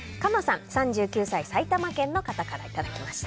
３９歳、埼玉県の方からいただきました。